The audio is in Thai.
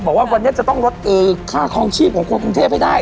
บอกว่าวันนี้จะต้องลดค่าคลองชีพของคนกรุงเทพให้ได้